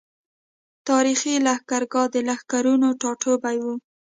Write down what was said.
تاريخي لښکرګاه د لښکرونو ټاټوبی وو۔